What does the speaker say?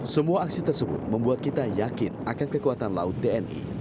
semua aksi tersebut membuat kita yakin akan kekuatan laut tni